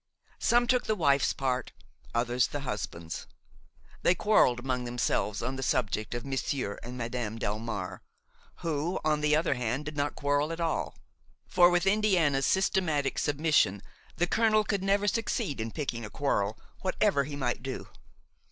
Some took the wife's part, others the husband's. They quarrelled among themselves on the subject of Monsieur and Madame Delmare, who, on the other hand, did not quarrel at all; for, with Indiana's systematic submission, the colonel could never succeed in picking a quarrel, whatever he might do.